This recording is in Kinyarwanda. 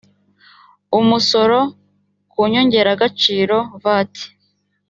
umusoro ku nyongeragaciro vat